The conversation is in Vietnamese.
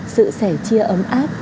sự sẻ chia ấm áp